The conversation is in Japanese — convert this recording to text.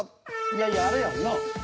いやいやあれやんな。